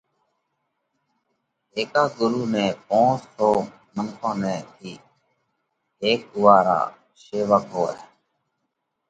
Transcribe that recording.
ھيڪا ڳرُو نئہ پونس سو منکون نئہ (ٿي ھيڪئھ اُوئا را شيوڪ ھوئہ)